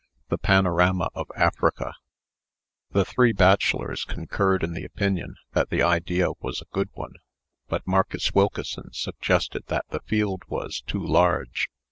THE PANORAMA OF AFRICA The three bachelors concurred in the opinion that the idea was a good one; but Marcus Wilkeson suggested that the field was too large.